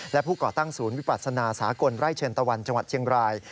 และผู้ก่อตั้งศูนย์วิปัศนาสากลไร่เชิญตะวันจังหวัดเชียงราย